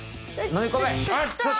飲み込め！